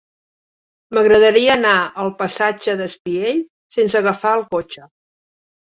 M'agradaria anar al passatge d'Espiell sense agafar el cotxe.